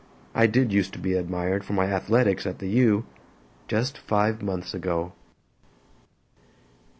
I did use to be admired for my athletics at the U. just five months ago.